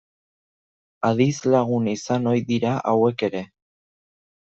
Adizlagun izan ohi dira hauek ere.